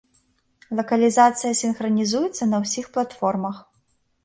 Лакалізацыя сінхранізуецца на ўсіх платформах.